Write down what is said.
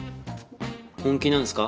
本気なんすか？